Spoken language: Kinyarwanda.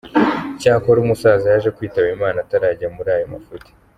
Cyakora umusaza yaje kwitaba Imana atarajya muri ayo mafuti.